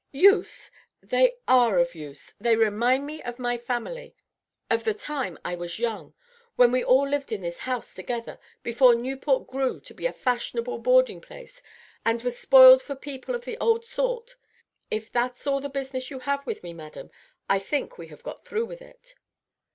Use! They are of use. They remind me of my family, of the time I was young, when we all lived in this house together, before Newport grew to be a fashionable boarding place and was spoiled for people of the old sort. If that's all the business you have with me, madam, I think we have got through with it."